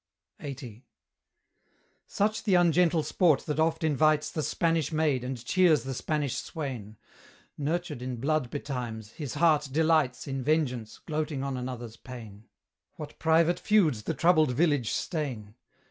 LXXX. Such the ungentle sport that oft invites The Spanish maid, and cheers the Spanish swain: Nurtured in blood betimes, his heart delights In vengeance, gloating on another's pain. What private feuds the troubled village stain!